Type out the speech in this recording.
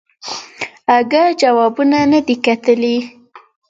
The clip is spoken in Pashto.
اگه جوابونه ندي کتلي.